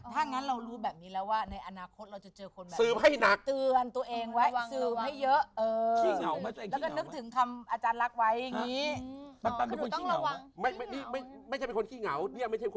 ถ้างั้นเรารู้แบบนี้แล้วว่าในอนาคตเราจะเจอคนแบบนี้